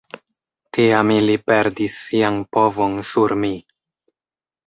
Tiam ili perdis sian povon sur mi.